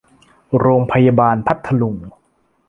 โรงพยาบาลพัทลุง